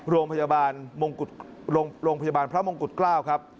โรงพยาบาลพระมงกุฎเกล้าครับ